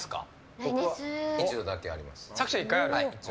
僕は一度だけあります。